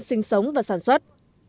sinh sống và sản xuất